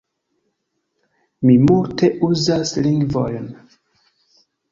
Mi multe uzas lingvojn.